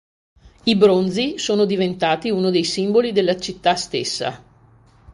I "Bronzi" sono diventati uno dei simboli della città stessa.